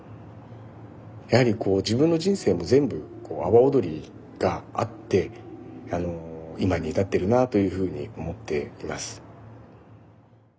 やはりこう自分の人生も全部阿波おどりがあって今に至っているなというふうに思っています。